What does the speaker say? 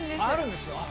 あるんです。